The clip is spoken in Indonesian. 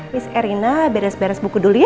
wis erina beres beres buku dulu ya